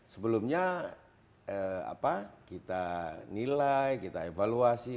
sebelumnya kita nilai kita evaluasi